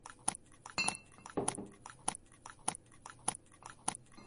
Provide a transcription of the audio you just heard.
باسواده میندې د پلاستیک کارول کموي.